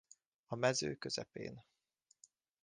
A Mező közepén.